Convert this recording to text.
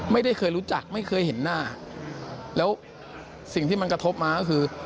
ไม่เคยรู้จักไม่เคยเห็นหน้าแล้วสิ่งที่มันกระทบมาก็คือ